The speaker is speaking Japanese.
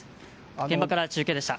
現場から中継でした。